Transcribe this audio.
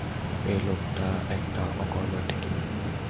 ওই লোকটি একটা অকর্মার ঢেঁকি!